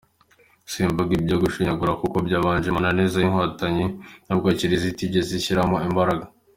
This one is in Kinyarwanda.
Simvuga ibyo gushyingurwa kuko byajemo amananiza y’Inkotanyi n’ubwo Kiliziya itigeze ibishyiramo imbaraga.